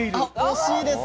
惜しいです。